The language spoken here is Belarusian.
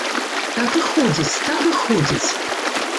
Так і ходзяць, так і ходзяць.